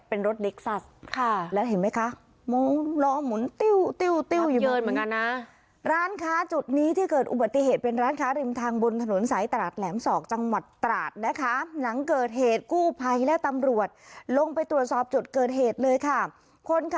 เป็นรถลิกซัสค่ะแล้วเห็นไหมคะมองล้อหมุนติ้วติ้วติ้วอยู่บน